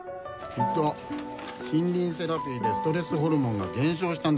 きっと森林セラピーでストレスホルモンが減少したんですよ。